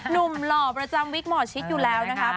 หนุ่มหล่อประจำวิกเหมาส์ชิดอยู่แล้วนะคะ